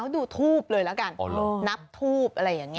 ดูทูบเลยหนับทูบอะไรแบบนี้